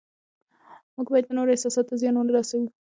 موږ باید د نورو احساساتو ته زیان ونه رسوو